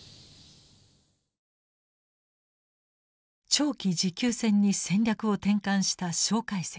長期持久戦に戦略を転換した介石。